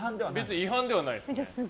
違反ではないですね。